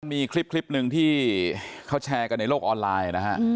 มีคลิปหนึ่งที่เขาแชร์กันในโลกออนไลน์นะฮะ